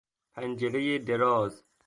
پنجرهی دراز